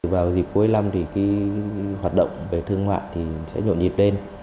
vào dịp cuối năm hoạt động về thương mạng sẽ nhộn nhịp lên